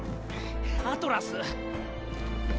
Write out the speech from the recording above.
アトラス！